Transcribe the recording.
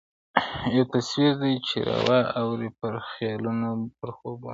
یو تصویر دی چي را اوري پر خیالونو، پر خوبونو!.